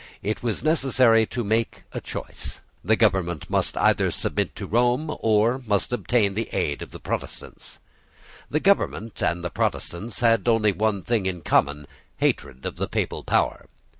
It was necessary to make a choice. The government must either submit to Rome, or must obtain the aid of the Protestants. The government and the Protestants had only one thing in common, hatred of the Papal power.